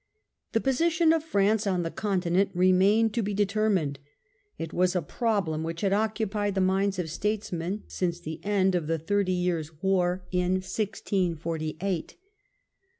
The position of France on the Continent remained to be determined. It was a problem which had occupied the minds of statesmen since the end of the Thirty Years* BEGINNINGS OF PARTY GOVERNMENT.